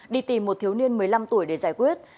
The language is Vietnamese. đi tìm một thiếu niên một mươi năm tuổi để giải quyết